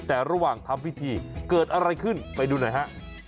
แต่ระหว่างทำพิธีเกิดอะไรขึ้นไปดูหน่อยฮะ